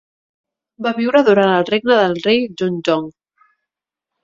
Va viure durant el regne del rei Jungjong.